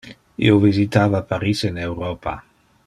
Io visitava Paris in Europa.